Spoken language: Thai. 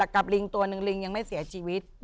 ลิงตัวหนึ่งลิงยังไม่เสียชีวิต